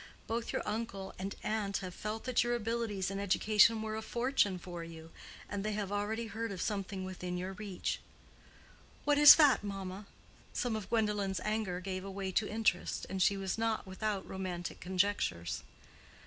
Both your uncle and aunt have felt that your abilities and education were a fortune for you, and they have already heard of something within your reach." "What is that, mamma?" some of Gwendolen's anger gave way to interest, and she was not without romantic conjectures.